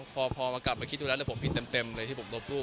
พอมากลับมาคิดดูแล้วผมผิดเต็มเลยที่ผมโดนพูด